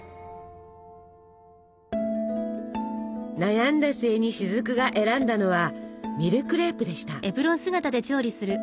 悩んだ末に雫が選んだのはミルクレープでした。